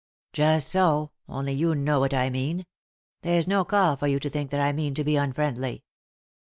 "Just so; only you know what I mean. There's no call for you to think that I mean to be unfriendly."